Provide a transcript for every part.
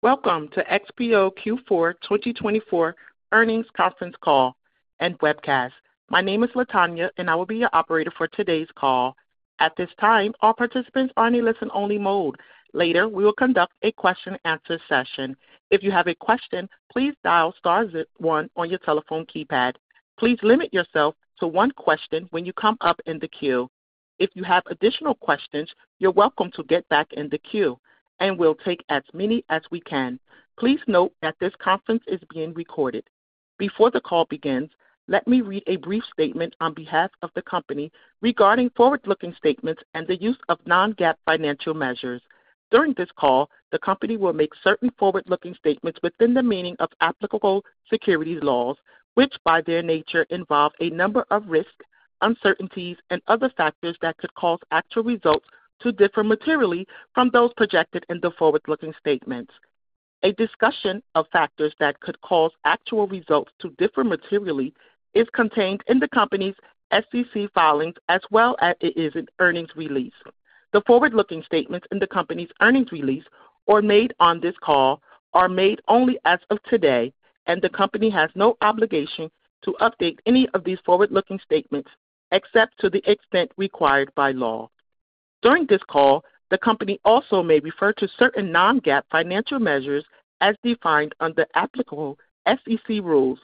Welcome to XPO Q4 2024 Earnings Conference Call and webcast. My name is Latonya, and I will be your operator for today's call. At this time, all participants are in a listen-only mode. Later, we will conduct a question-and-answer session. If you have a question, please dial star one on your telephone keypad. Please limit yourself to one question when you come up in the queue. If you have additional questions, you're welcome to get back in the queue, and we'll take as many as we can. Please note that this conference is being recorded. Before the call begins, let me read a brief statement on behalf of the company regarding forward-looking statements and the use of non-GAAP financial measures. During this call, the company will make certain forward-looking statements within the meaning of applicable securities laws, which by their nature involve a number of risks, uncertainties, and other factors that could cause actual results to differ materially from those projected in the forward-looking statements. A discussion of factors that could cause actual results to differ materially is contained in the company's SEC filings as well as in its earnings release. The forward-looking statements in the company's earnings release or made on this call are made only as of today, and the company has no obligation to update any of these forward-looking statements except to the extent required by law. During this call, the company also may refer to certain non-GAAP financial measures as defined under applicable SEC rules.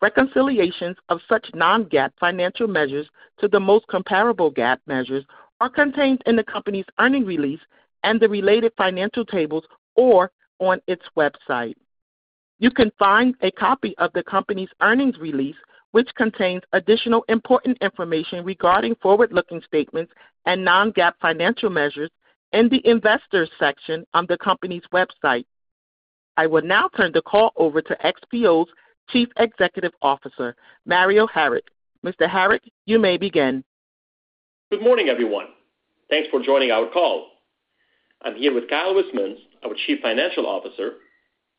Reconciliations of such non-GAAP financial measures to the most comparable GAAP measures are contained in the company's earnings release and the related financial tables or on its website. You can find a copy of the company's earnings release, which contains additional important information regarding forward-looking statements and non-GAAP financial measures, in the investors' section on the company's website. I will now turn the call over to XPO's Chief Executive Officer, Mario Harik. Mr. Harik, you may begin. Good morning, everyone. Thanks for joining our call. I'm here with Kyle Wismans, our Chief Financial Officer,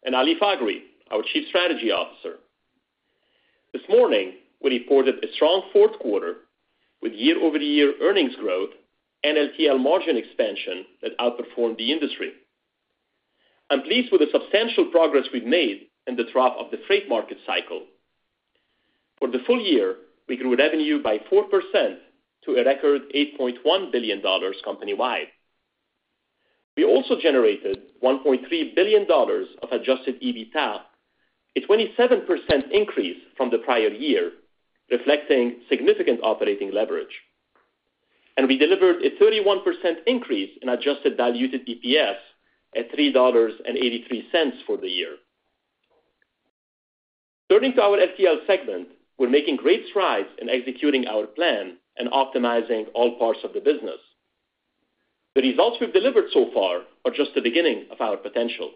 and Ali Faghri, our Chief Strategy Officer. This morning, we reported a strong fourth quarter with year-over-year earnings growth and LTL margin expansion that outperformed the industry. I'm pleased with the substantial progress we've made in the trough of the freight market cycle. For the full year, we grew revenue by 4% to a record $8.1 billion company-wide. We also generated $1.3 billion of adjusted EBITDA, a 27% increase from the prior year, reflecting significant operating leverage. And we delivered a 31% increase in adjusted diluted EPS at $3.83 for the year. Turning to our LTL segment, we're making great strides in executing our plan and optimizing all parts of the business. The results we've delivered so far are just the beginning of our potential.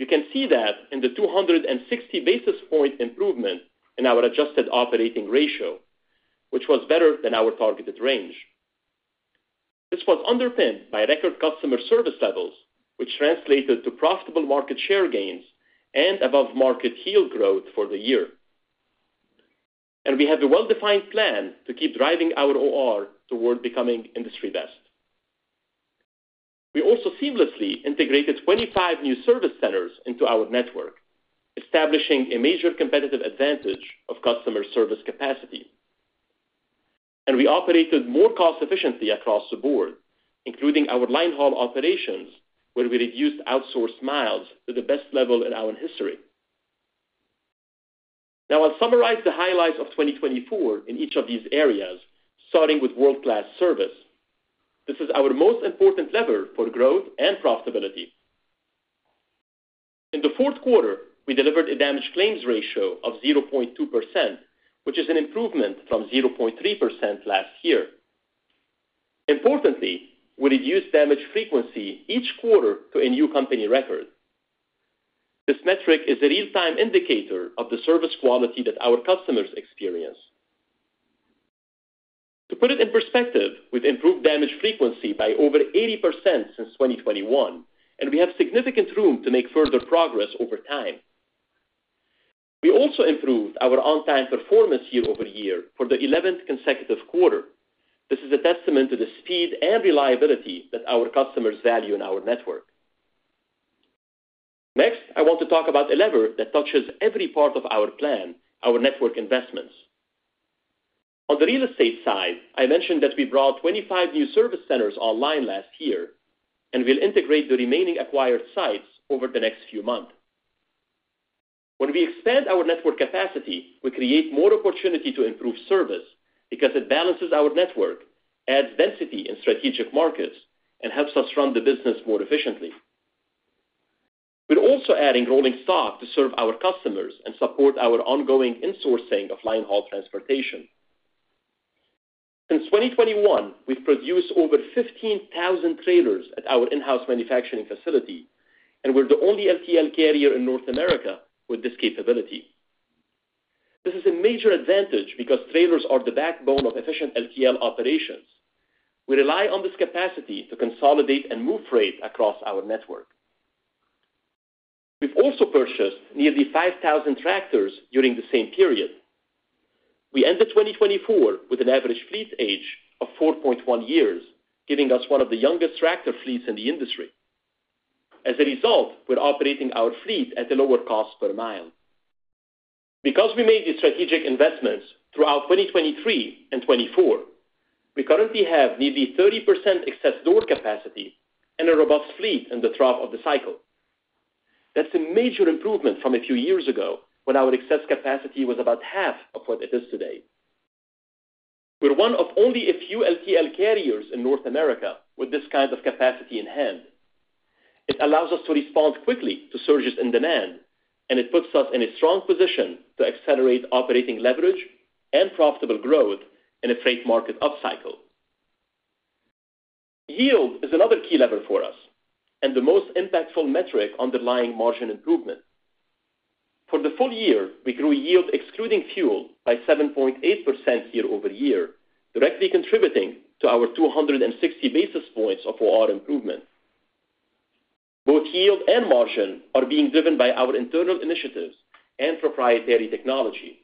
You can see that in the 260 basis points improvement in our adjusted operating ratio, which was better than our targeted range. This was underpinned by record customer service levels, which translated to profitable market share gains and above-market yield growth for the year. And we have a well-defined plan to keep driving our OR toward becoming industry best. We also seamlessly integrated 25 new service centers into our network, establishing a major competitive advantage of customer service capacity. And we operated more cost-efficiently across the board, including our linehaul operations, where we reduced outsourced miles to the best level in our history. Now, I'll summarize the highlights of 2024 in each of these areas, starting with world-class service. This is our most important lever for growth and profitability. In the fourth quarter, we delivered a damage claims ratio of 0.2%, which is an improvement from 0.3% last year. Importantly, we reduced damage frequency each quarter to a new company record. This metric is a real-time indicator of the service quality that our customers experience. To put it in perspective, we've improved damage frequency by over 80% since 2021, and we have significant room to make further progress over time. We also improved our on-time performance year-over-year for the 11th consecutive quarter. This is a testament to the speed and reliability that our customers value in our network. Next, I want to talk about a lever that touches every part of our plan, our network investments. On the real estate side, I mentioned that we brought 25 new service centers online last year, and we'll integrate the remaining acquired sites over the next few months. When we expand our network capacity, we create more opportunity to improve service because it balances our network, adds density in strategic markets, and helps us run the business more efficiently. We're also adding rolling stock to serve our customers and support our ongoing insourcing of linehaul transportation. Since 2021, we've produced over 15,000 trailers at our in-house manufacturing facility, and we're the only LTL carrier in North America with this capability. This is a major advantage because trailers are the backbone of efficient LTL operations. We rely on this capacity to consolidate and move freight across our network. We've also purchased nearly 5,000 tractors during the same period. We ended 2024 with an average fleet age of 4.1 years, giving us one of the youngest tractor fleets in the industry. As a result, we're operating our fleet at a lower cost per mile. Because we made these strategic investments throughout 2023 and 2024, we currently have nearly 30% excess door capacity and a robust fleet in the trough of the cycle. That's a major improvement from a few years ago when our excess capacity was about half of what it is today. We're one of only a few LTL carriers in North America with this kind of capacity in hand. It allows us to respond quickly to surges in demand, and it puts us in a strong position to accelerate operating leverage and profitable growth in a freight market upcycle. Yield is another key lever for us and the most impactful metric underlying margin improvement. For the full year, we grew yield excluding fuel by 7.8% year-over-year, directly contributing to our 260 basis points of OR improvement. Both yield and margin are being driven by our internal initiatives and proprietary technology.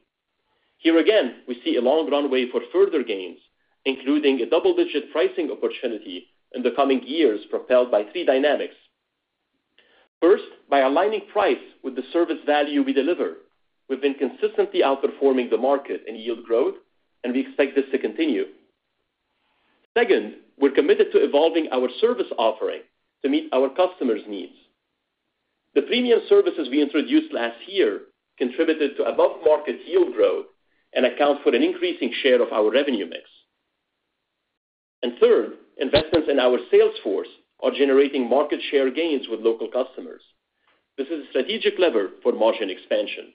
Here again, we see a long runway for further gains, including a double-digit pricing opportunity in the coming years propelled by three dynamics. First, by aligning price with the service value we deliver, we've been consistently outperforming the market in yield growth, and we expect this to continue. Second, we're committed to evolving our service offering to meet our customers' needs. The premium services we introduced last year contributed to above-market yield growth and account for an increasing share of our revenue mix. And third, investments in our sales force are generating market share gains with local customers. This is a strategic lever for margin expansion.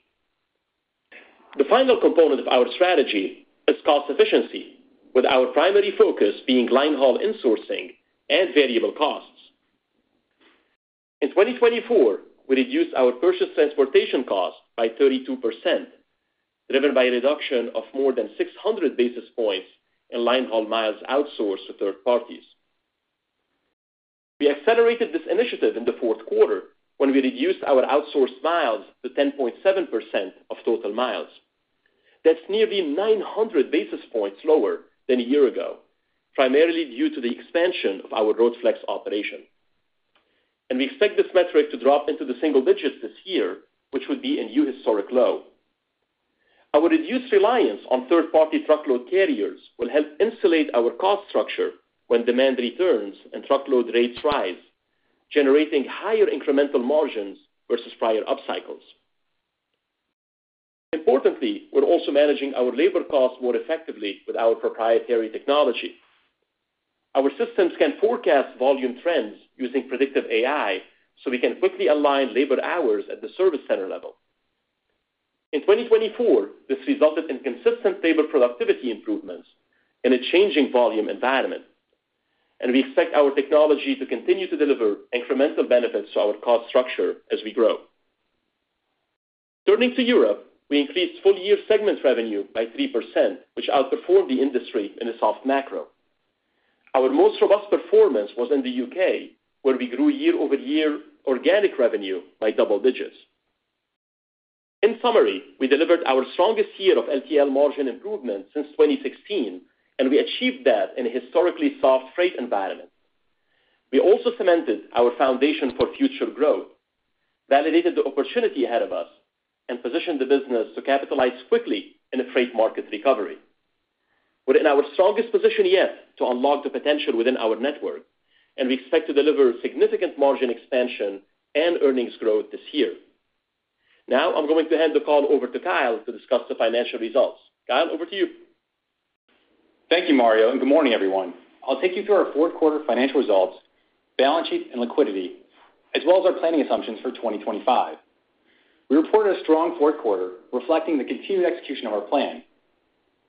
The final component of our strategy is cost efficiency, with our primary focus being linehaul insourcing and variable costs. In 2024, we reduced our purchased transportation cost by 32%, driven by a reduction of more than 600 basis points in linehaul miles outsourced to third parties. We accelerated this initiative in the fourth quarter when we reduced our outsourced miles to 10.7% of total miles. That's nearly 900 basis points lower than a year ago, primarily due to the expansion of our Road Flex operation, and we expect this metric to drop into the single digits this year, which would be a new historic low. Our reduced reliance on third-party truckload carriers will help insulate our cost structure when demand returns and truckload rates rise, generating higher incremental margins versus prior upcycles. Importantly, we're also managing our labor costs more effectively with our proprietary technology. Our systems can forecast volume trends using predictive AI, so we can quickly align labor hours at the service center level. In 2024, this resulted in consistent labor productivity improvements in a changing volume environment, and we expect our technology to continue to deliver incremental benefits to our cost structure as we grow. Turning to Europe, we increased full-year segment revenue by 3%, which outperformed the industry in the soft macro. Our most robust performance was in the U.K., where we grew year-over-year organic revenue by double digits. In summary, we delivered our strongest year of LTL margin improvement since 2016, and we achieved that in a historically soft freight environment. We also cemented our foundation for future growth, validated the opportunity ahead of us, and positioned the business to capitalize quickly in a freight market recovery. We're in our strongest position yet to unlock the potential within our network, and we expect to deliver significant margin expansion and earnings growth this year. Now, I'm going to hand the call over to Kyle to discuss the financial results. Kyle, over to you. Thank you, Mario, and good morning, everyone. I'll take you through our fourth quarter financial results, balance sheet, and liquidity, as well as our planning assumptions for 2025. We reported a strong fourth quarter, reflecting the continued execution of our plan.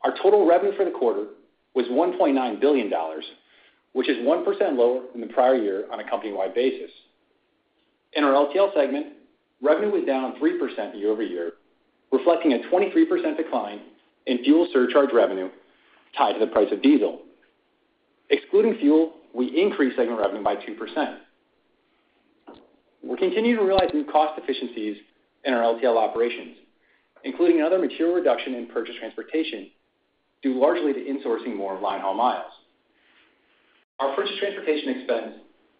Our total revenue for the quarter was $1.9 billion, which is 1% lower than the prior year on a company-wide basis. In our LTL segment, revenue was down 3% year-over-year, reflecting a 23% decline in fuel surcharge revenue tied to the price of diesel. Excluding fuel, we increased segment revenue by 2%. We're continuing to realize new cost efficiencies in our LTL operations, including another material reduction in purchased transportation, due largely to insourcing more linehaul miles. Our purchased transportation expense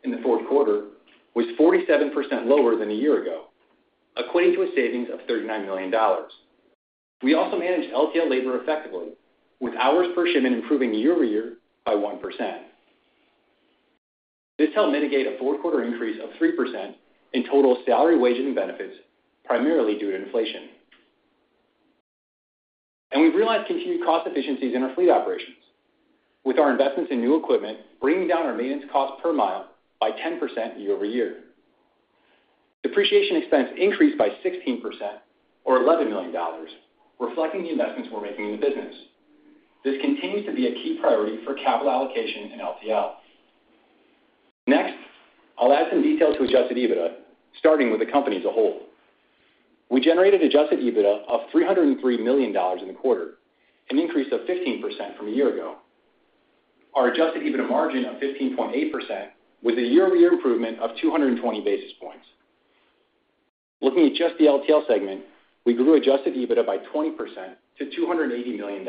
in the fourth quarter was 47% lower than a year ago, equating to a savings of $39 million. We also managed LTL labor effectively, with hours per shipment improving year-over-year by 1%. This helped mitigate a fourth quarter increase of 3% in total salary, wages, and benefits, primarily due to inflation, and we've realized continued cost efficiencies in our fleet operations, with our investments in new equipment bringing down our maintenance cost per mile by 10% year-over-year. Depreciation expense increased by 16%, or $11 million, reflecting the investments we're making in the business. This continues to be a key priority for capital allocation in LTL. Next, I'll add some detail to Adjusted EBITDA, starting with the company as a whole. We generated Adjusted EBITDA of $303 million in the quarter, an increase of 15% from a year ago. Our Adjusted EBITDA margin of 15.8% was a year-over-year improvement of 220 basis points. Looking at just the LTL segment, we grew Adjusted EBITDA by 20% to $280 million.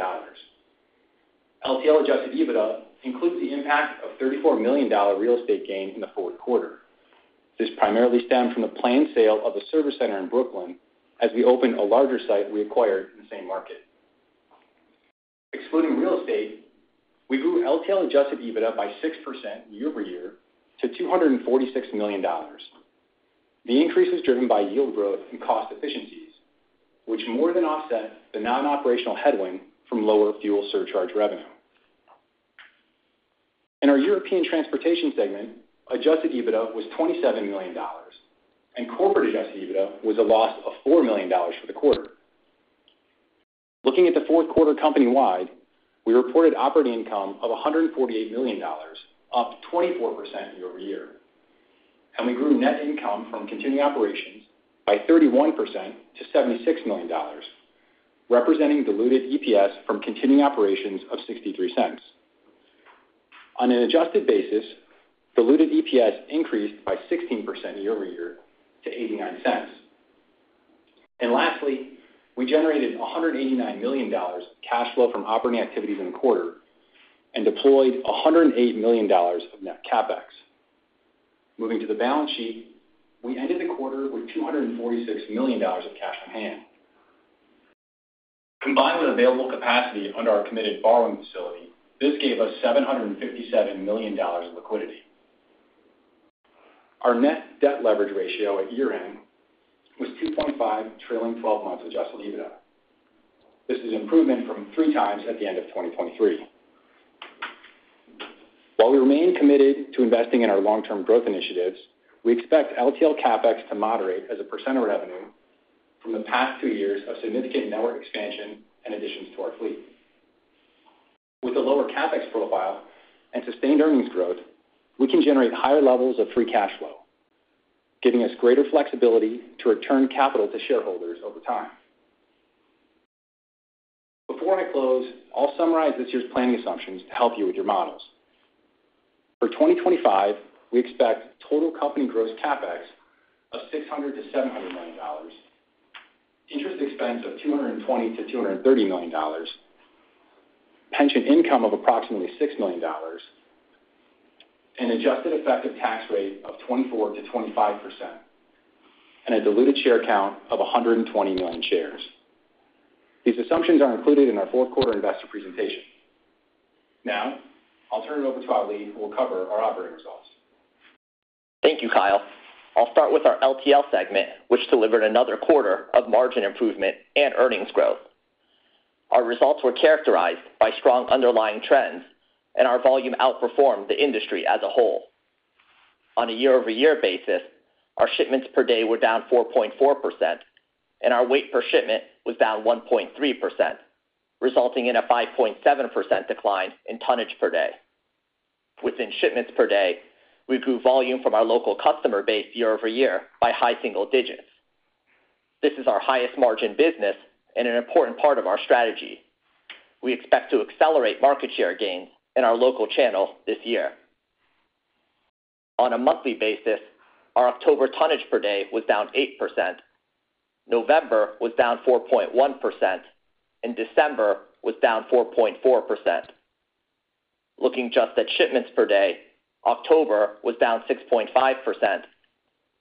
LTL adjusted EBITDA includes the impact of $34 million real estate gain in the fourth quarter. This primarily stemmed from the planned sale of a service center in Brooklyn as we opened a larger site we acquired in the same market. Excluding real estate, we grew LTL adjusted EBITDA by 6% year-over-year to $246 million. The increase was driven by yield growth and cost efficiencies, which more than offset the non-operational headwind from lower fuel surcharge revenue. In our European transportation segment, adjusted EBITDA was $27 million, and corporate adjusted EBITDA was a loss of $4 million for the quarter. Looking at the fourth quarter company-wide, we reported operating income of $148 million, up 24% year-over-year, and we grew net income from continuing operations by 31% to $76 million, representing diluted EPS from continuing operations of $0.63. On an adjusted basis, diluted EPS increased by 16% year-over-year to $0.89. Lastly, we generated $189 million cash flow from operating activities in the quarter and deployed $108 million of net CapEx. Moving to the balance sheet, we ended the quarter with $246 million of cash on hand. Combined with available capacity under our committed borrowing facility, this gave us $757 million in liquidity. Our net debt leverage ratio at year-end was 2.5 times trailing 12 months adjusted EBITDA. This is an improvement from three times at the end of 2023. While we remain committed to investing in our long-term growth initiatives, we expect LTL CapEx to moderate as a % of revenue from the past two years of significant network expansion and additions to our fleet. With a lower CapEx profile and sustained earnings growth, we can generate higher levels of free cash flow, giving us greater flexibility to return capital to shareholders over time. Before I close, I'll summarize this year's planning assumptions to help you with your models. For 2025, we expect total company gross CapEx of $600-$700 million, interest expense of $220-$230 million, pension income of approximately $6 million, an adjusted effective tax rate of 24%-25%, and a diluted share count of 120 million shares. These assumptions are included in our fourth quarter investor presentation. Now, I'll turn it over to Ali, who will cover our operating results. Thank you, Kyle. I'll start with our LTL segment, which delivered another quarter of margin improvement and earnings growth. Our results were characterized by strong underlying trends, and our volume outperformed the industry as a whole. On a year-over-year basis, our shipments per day were down 4.4%, and our weight per shipment was down 1.3%, resulting in a 5.7% decline in tonnage per day. Within shipments per day, we grew volume from our local customer base year-over-year by high single digits. This is our highest margin business and an important part of our strategy. We expect to accelerate market share gains in our local channel this year. On a monthly basis, our October tonnage per day was down 8%. November was down 4.1%, and December was down 4.4%. Looking just at shipments per day, October was down 6.5%.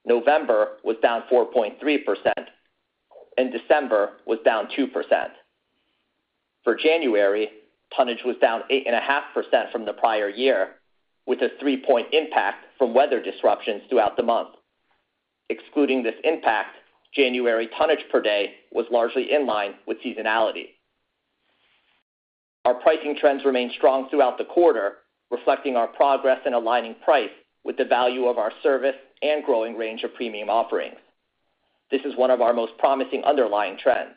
November was down 4.3%, and December was down 2%. For January, tonnage was down 8.5% from the prior year, with a three-point impact from weather disruptions throughout the month. Excluding this impact, January tonnage per day was largely in line with seasonality. Our pricing trends remained strong throughout the quarter, reflecting our progress in aligning price with the value of our service and growing range of premium offerings. This is one of our most promising underlying trends.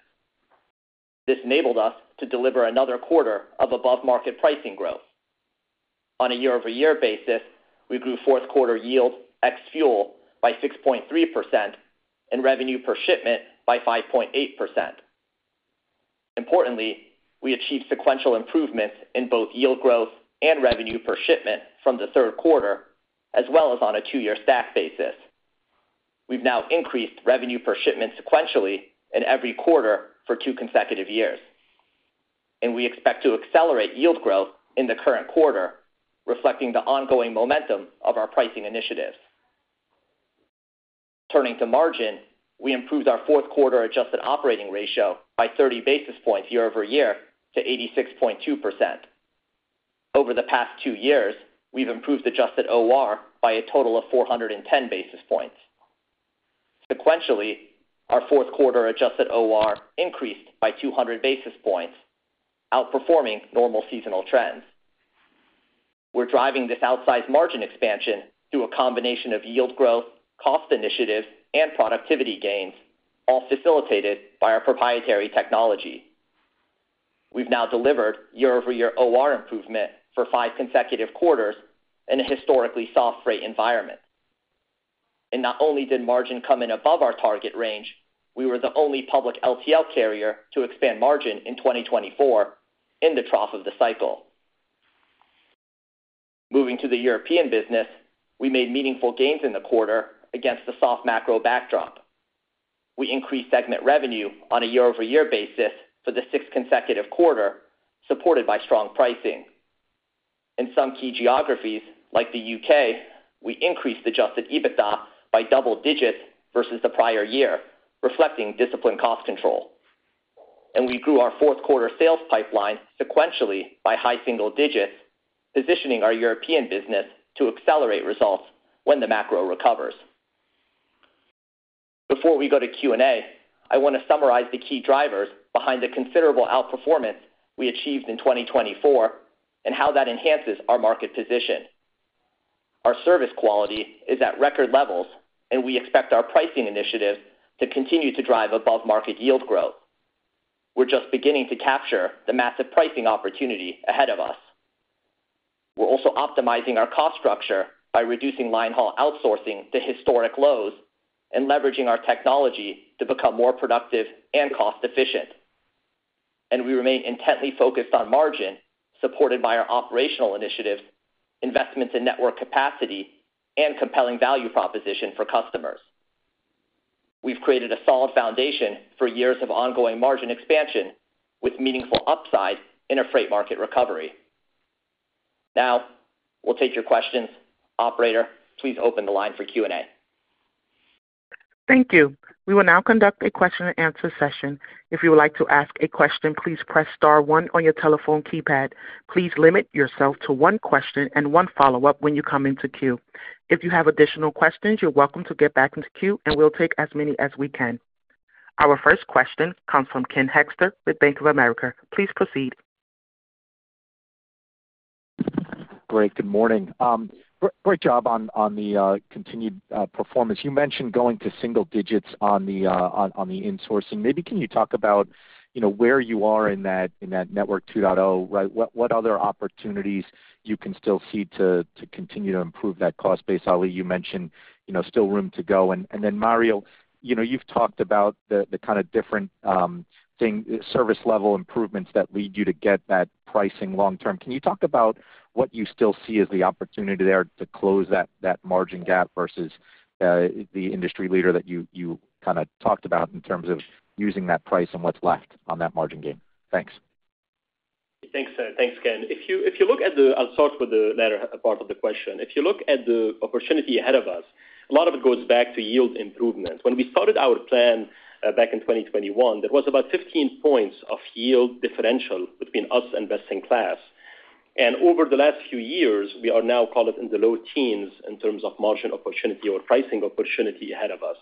This enabled us to deliver another quarter of above-market pricing growth. On a year-over-year basis, we grew fourth quarter yield ex-fuel by 6.3% and revenue per shipment by 5.8%. Importantly, we achieved sequential improvements in both yield growth and revenue per shipment from the third quarter, as well as on a two-year stack basis. We've now increased revenue per shipment sequentially in every quarter for two consecutive years, and we expect to accelerate yield growth in the current quarter, reflecting the ongoing momentum of our pricing initiatives. Turning to margin, we improved our fourth quarter adjusted operating ratio by 30 basis points year-over-year to 86.2%. Over the past two years, we've improved adjusted OR by a total of 410 basis points. Sequentially, our fourth quarter adjusted OR increased by 200 basis points, outperforming normal seasonal trends. We're driving this outsized margin expansion through a combination of yield growth, cost initiatives, and productivity gains, all facilitated by our proprietary technology. We've now delivered year-over-year OR improvement for five consecutive quarters in a historically soft freight environment, and not only did margin come in above our target range, we were the only public LTL carrier to expand margin in 2024 in the trough of the cycle. Moving to the European business, we made meaningful gains in the quarter against the soft macro backdrop. We increased segment revenue on a year-over-year basis for the sixth consecutive quarter, supported by strong pricing. In some key geographies, like the U.K., we increased Adjusted EBITDA by double digits versus the prior year, reflecting disciplined cost control, and we grew our fourth quarter sales pipeline sequentially by high single digits, positioning our European business to accelerate results when the macro recovers. Before we go to Q&A, I want to summarize the key drivers behind the considerable outperformance we achieved in 2024 and how that enhances our market position. Our service quality is at record levels, and we expect our pricing initiatives to continue to drive above-market yield growth. We're just beginning to capture the massive pricing opportunity ahead of us. We're also optimizing our cost structure by reducing linehaul outsourcing to historic lows and leveraging our technology to become more productive and cost-efficient. And we remain intently focused on margin, supported by our operational initiatives, investments in network capacity, and compelling value proposition for customers. We've created a solid foundation for years of ongoing margin expansion with meaningful upside in a freight market recovery. Now, we'll take your questions. Operator, please open the line for Q&A. Thank you. We will now conduct a question-and-answer session. If you would like to ask a question, please press star one on your telephone keypad. Please limit yourself to one question and one follow-up when you come into queue. If you have additional questions, you're welcome to get back into queue, and we'll take as many as we can. Our first question comes from Ken Hoexter with Bank of America. Please proceed. Great. Good morning. Great job on the continued performance. You mentioned going to single digits on the insourcing. Maybe can you talk about where you are in that network 2.0, right? What other opportunities you can still see to continue to improve that cost base? Ali, you mentioned still room to go. And then, Mario, you've talked about the kind of different service-level improvements that lead you to get that pricing long-term. Can you talk about what you still see as the opportunity there to close that margin gap versus the industry leader that you kind of talked about in terms of using that price and what's left on that margin gain? Thanks. Thanks, Ken. If you look at the, I'll start with the latter part of the question. If you look at the opportunity ahead of us, a lot of it goes back to yield improvement. When we started our plan back in 2021, there was about 15 points of yield differential between us and best-in-class. And over the last few years, we are now, call it, in the low teens in terms of margin opportunity or pricing opportunity ahead of us.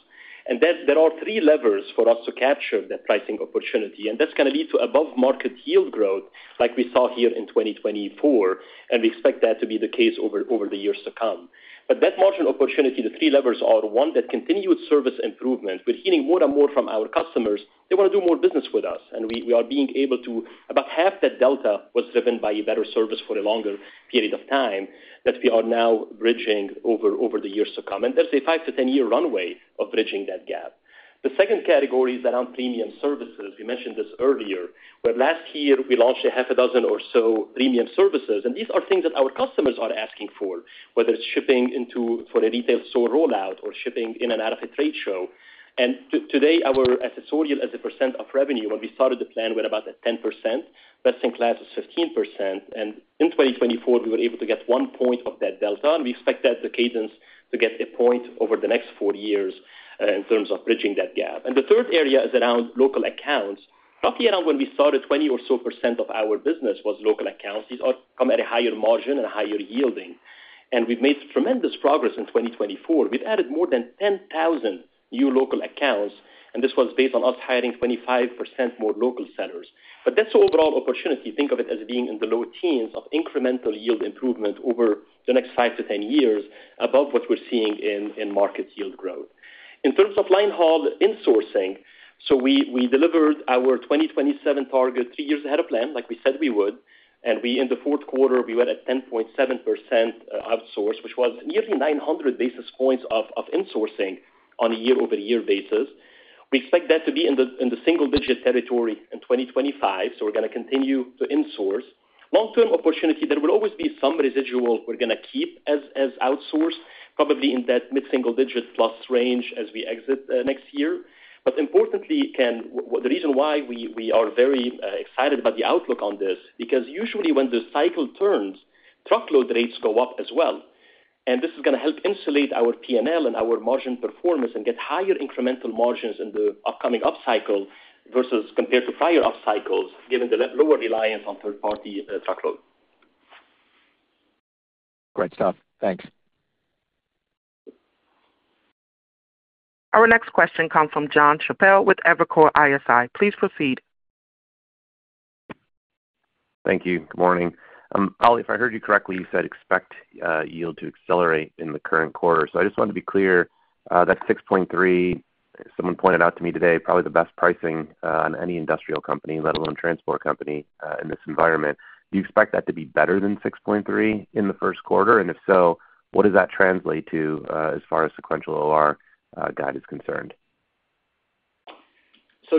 And there are three levers for us to capture that pricing opportunity. And that's going to lead to above-market yield growth, like we saw here in 2024. And we expect that to be the case over the years to come. But that margin opportunity, the three levers are: one, that continued service improvement. We're hearing more and more from our customers. They want to do more business with us. We are being able to. About half that delta was driven by a better service for a longer period of time that we are now bridging over the years to come. There's a 5-10-year runway of bridging that gap. The second category is around premium services. We mentioned this earlier, where last year we launched a half a dozen or so premium services. These are things that our customers are asking for, whether it's shipping for a retail store rollout or shipping in and out of a trade show. Today, our ancillary as a percent of revenue, when we started the plan, we're about at 10%. Best-in-class was 15%. In 2024, we were able to get one point of that delta. We expect that the cadence to get a point over the next four years in terms of bridging that gap. The third area is around local accounts. Roughly around when we started, 20% or so of our business was local accounts. These come at a higher margin and a higher yielding. We've made tremendous progress in 2024. We've added more than 10,000 new local accounts. This was based on us hiring 25% more local sellers. That's the overall opportunity. Think of it as being in the low teens of incremental yield improvement over the next 5 to 10 years, above what we're seeing in market yield growth. In terms of linehaul insourcing, we delivered our 2027 target three years ahead of plan, like we said we would. In the fourth quarter, we were at 10.7% outsource, which was nearly 900 basis points of insourcing on a year-over-year basis. We expect that to be in the single-digit territory in 2025. So we're going to continue to insource. Long-term opportunity, there will always be some residual we're going to keep as outsourced, probably in that mid-single-digit plus range as we exit next year, but importantly, Ken, the reason why we are very excited about the outlook on this, because usually when the cycle turns, truckload rates go up as well, and this is going to help insulate our P&L and our margin performance and get higher incremental margins in the upcoming upcycle versus compared to prior upcycles, given the lower reliance on third-party truckload. Great stuff. Thanks. Our next question comes from Jon Chappell with Evercore ISI. Please proceed. Thank you. Good morning. Ali, if I heard you correctly, you said expect yield to accelerate in the current quarter, so I just want to be clear that 6.3, someone pointed out to me today, probably the best pricing on any industrial company, let alone transport company in this environment. Do you expect that to be better than 6.3 in the first quarter, and if so, what does that translate to as far as sequential OR guide is concerned?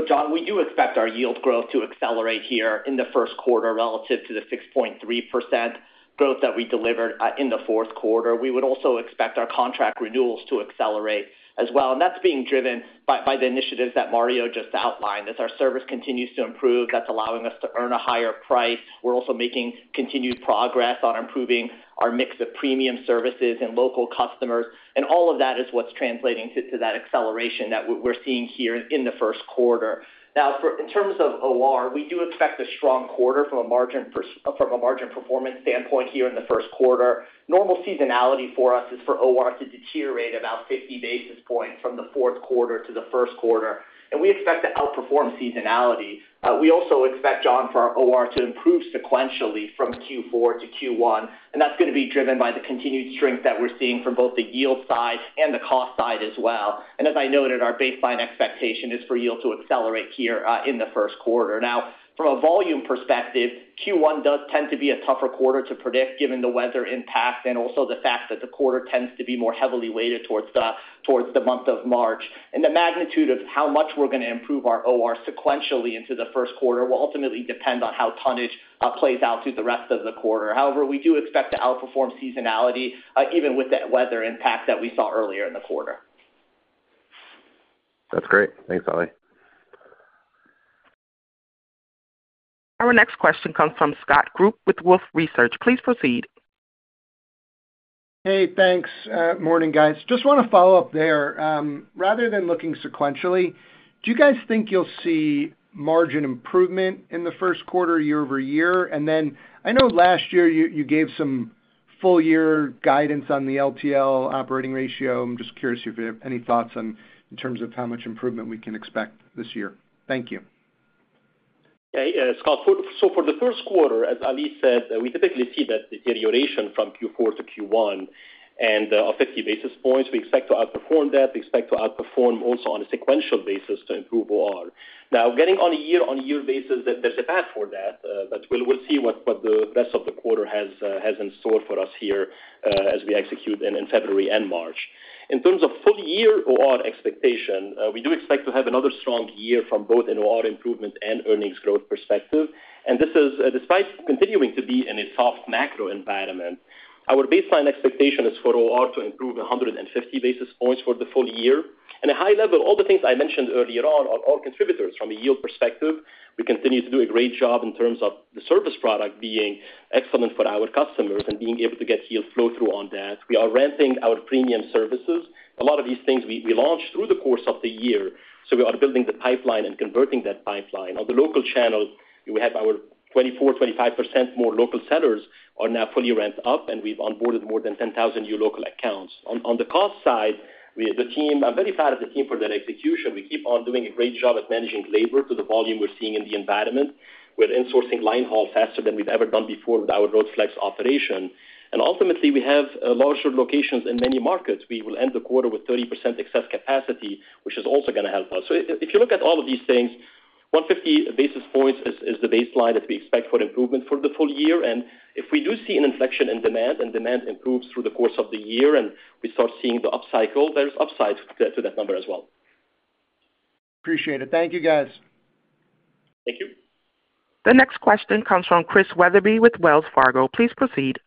John, we do expect our yield growth to accelerate here in the first quarter relative to the 6.3% growth that we delivered in the fourth quarter. We would also expect our contract renewals to accelerate as well. And that's being driven by the initiatives that Mario just outlined. As our service continues to improve, that's allowing us to earn a higher price. We're also making continued progress on improving our mix of premium services and local customers. And all of that is what's translating to that acceleration that we're seeing here in the first quarter. Now, in terms of OR, we do expect a strong quarter from a margin performance standpoint here in the first quarter. Normal seasonality for us is for OR to deteriorate about 50 basis points from the fourth quarter to the first quarter. And we expect to outperform seasonality. We also expect, John, for our OR to improve sequentially from Q4 to Q1, and that's going to be driven by the continued strength that we're seeing from both the yield side and the cost side as well, and as I noted, our baseline expectation is for yield to accelerate here in the first quarter. Now, from a volume perspective, Q1 does tend to be a tougher quarter to predict given the weather impact and also the fact that the quarter tends to be more heavily weighted towards the month of March, and the magnitude of how much we're going to improve our OR sequentially into the first quarter will ultimately depend on how tonnage plays out through the rest of the quarter. However, we do expect to outperform seasonality even with that weather impact that we saw earlier in the quarter. That's great. Thanks, Ali. Our next question comes from Scott Group with Wolfe Research. Please proceed. Hey, thanks. Morning, guys. Just want to follow up there. Rather than looking sequentially, do you guys think you'll see margin improvement in the first quarter, year-over-year? And then I know last year you gave some full-year guidance on the LTL operating ratio. I'm just curious if you have any thoughts in terms of how much improvement we can expect this year. Thank you. Yeah. So for the first quarter, as Ali said, we typically see that deterioration from Q4 to Q1 and of 50 basis points. We expect to outperform that. We expect to outperform also on a sequential basis to improve OR. Now, getting on a year-on-year basis, there's a path for that. But we'll see what the rest of the quarter has in store for us here as we execute in February and March. In terms of full-year OR expectation, we do expect to have another strong year from both an OR improvement and earnings growth perspective. And this is despite continuing to be in a soft macro environment. Our baseline expectation is for OR to improve 150 basis points for the full year. And at a high level, all the things I mentioned earlier on are all contributors from a yield perspective. We continue to do a great job in terms of the service product being excellent for our customers and being able to get yield flow-through on that. We are ramping our premium services. A lot of these things we launched through the course of the year. So we are building the pipeline and converting that pipeline. On the local channel, we have 24%-25% more local sellers now fully ramped up, and we've onboarded more than 10,000 new local accounts. On the cost side, I'm very proud of the team for their execution. We keep on doing a great job at managing labor to the volume we're seeing in the environment. We're insourcing linehaul faster than we've ever done before with our Road Flex operation. Ultimately, we have larger locations in many markets. We will end the quarter with 30% excess capacity, which is also going to help us. So if you look at all of these things, 150 basis points is the baseline that we expect for improvement for the full year, and if we do see an inflection in demand and demand improves through the course of the year and we start seeing the upcycle, there's upside to that number as well. Appreciate it. Thank you, guys. Thank you. The next question comes from Chris Wetherbee with Wells Fargo. Please proceed.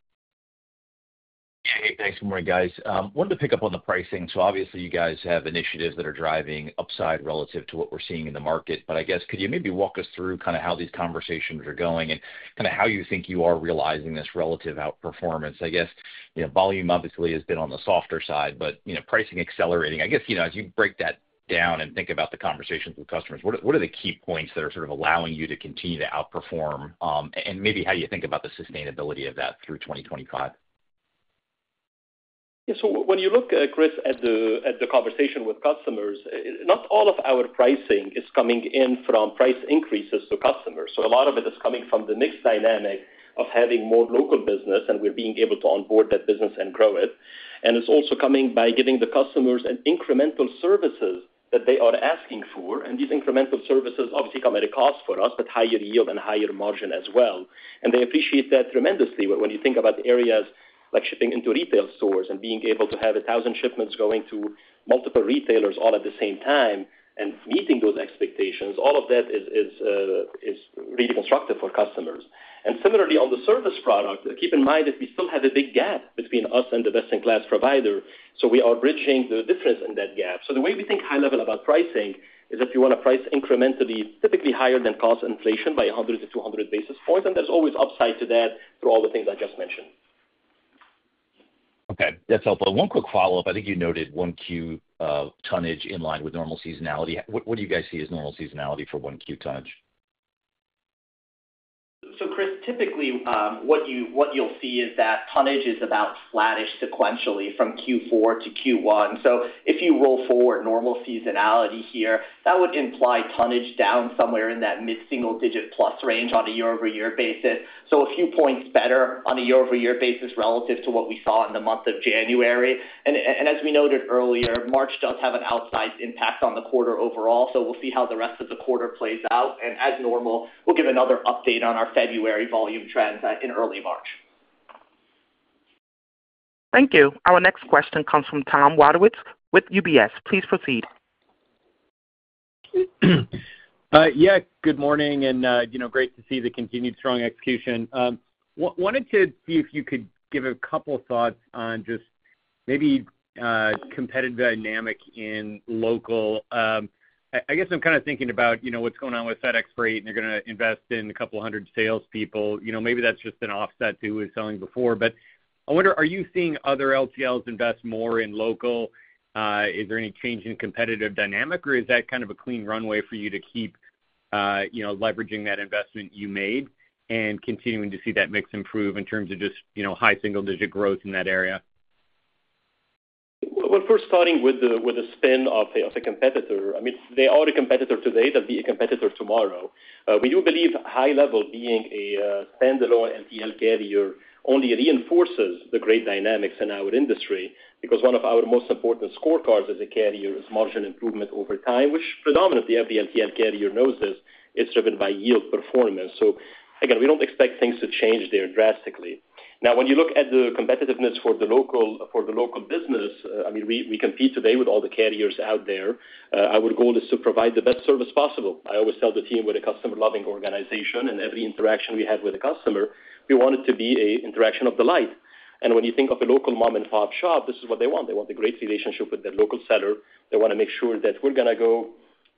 Hey, thanks this morning, guys. I wanted to pick up on the pricing. So obviously, you guys have initiatives that are driving upside relative to what we're seeing in the market. But I guess, could you maybe walk us through kind of how these conversations are going and kind of how you think you are realizing this relative outperformance? I guess volume, obviously, has been on the softer side, but pricing accelerating. I guess as you break that down and think about the conversations with customers, what are the key points that are sort of allowing you to continue to outperform and maybe how you think about the sustainability of that through 2025? Yeah. So when you look, Chris, at the conversation with customers, not all of our pricing is coming in from price increases to customers. So a lot of it is coming from the mixed dynamic of having more local business and we're being able to onboard that business and grow it. And it's also coming by giving the customers an incremental services that they are asking for. And these incremental services obviously come at a cost for us, but higher yield and higher margin as well. And they appreciate that tremendously when you think about areas like shipping into retail stores and being able to have 1,000 shipments going to multiple retailers all at the same time and meeting those expectations. All of that is really constructive for customers. And similarly, on the service product, keep in mind that we still have a big gap between us and the best-in-class provider. So we are bridging the difference in that gap. So the way we think high-level about pricing is that we want to price incrementally, typically higher than cost inflation by 100-200 basis points. And there's always upside to that through all the things I just mentioned. Okay. That's helpful. One quick follow-up. I think you noted Q1 tonnage in line with normal seasonality. What do you guys see as normal seasonality for Q1 tonnage? Chris, typically, what you'll see is that tonnage is about flatish sequentially from Q4 to Q1. If you roll forward normal seasonality here, that would imply tonnage down somewhere in that mid-single-digit plus range on a year-over-year basis. A few points better on a year-over-year basis relative to what we saw in the month of January. As we noted earlier, March does have an outsized impact on the quarter overall. We'll see how the rest of the quarter plays out. As normal, we'll give another update on our February volume trends in early March. Thank you. Our next question comes from Tom Wadewitz with UBS. Please proceed. Yeah. Good morning, and great to see the continued strong execution. Wanted to see if you could give a couple of thoughts on just maybe competitive dynamic in local. I guess I'm kind of thinking about what's going on with FedEx Freight, and they're going to invest in a couple of hundred salespeople. Maybe that's just an offset to who was selling before, but I wonder, are you seeing other LTLs invest more in local? Is there any change in competitive dynamic, or is that kind of a clean runway for you to keep leveraging that investment you made and continuing to see that mix improve in terms of just high single-digit growth in that area? First, starting with the spin of a competitor. I mean, they are a competitor today. They’ll be a competitor tomorrow. We do believe high-level being a standalone LTL carrier only reinforces the great dynamics in our industry because one of our most important scorecards as a carrier is margin improvement over time, which predominantly every LTL carrier knows is driven by yield performance. So again, we don’t expect things to change there drastically. Now, when you look at the competitiveness for the local business, I mean, we compete today with all the carriers out there. Our goal is to provide the best service possible. I always tell the team we’re a customer-loving organization, and every interaction we have with a customer, we want it to be an interaction of delight, and when you think of a local mom-and-pop shop, this is what they want. They want a great relationship with their local seller. They want to make sure that we're going to go